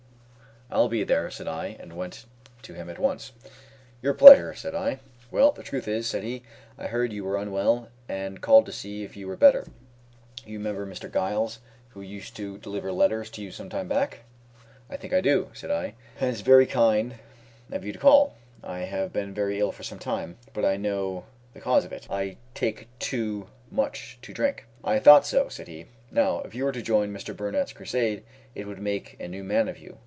"I'll be there," said I, and went to him at once. "Your pleasure?" said I. "Well, the truth is," said he, "I heard you were unwell, and called to see if you were better. You remember Mr. Giles, who used to deliver letters to you some time back?" "I think I do," said I; "and it's very kind of you to call. I have been very ill for sometime, but I know the cause of it; I take too much to drink." "I thought so," said he. "Now, if you were to join Mr. Burnett's crusade, it would make a new man of you.